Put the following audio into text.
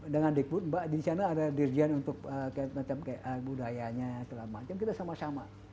dengan dickwood mbak di sana ada dirjian untuk budayanya kita sama sama